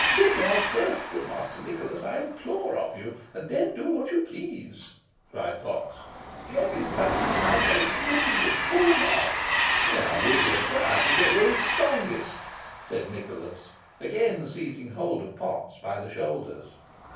"Get me out first, good Master Nicholas, I implore of you, and then do what you please," cried Potts. "Jem is tugging at my legs as if he would pull them off." "We will try who is strongest," said Nicholas, again seizing hold of Potts by the shoulders.